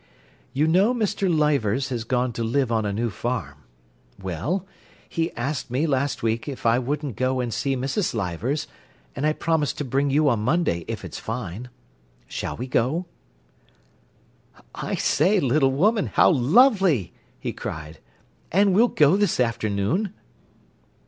"You know Mr. Leivers has gone to live on a new farm. Well, he asked me last week if I wouldn't go and see Mrs. Leivers, and I promised to bring you on Monday if it's fine. Shall we go?" "I say, little woman, how lovely!" he cried. "And we'll go this afternoon?"